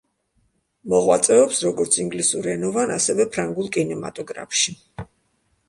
მოღვაწეობს როგორც ინგლისურენოვან, ასევე ფრანგულ კინემატოგრაფში.